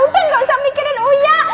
udah gak usah mikirin uya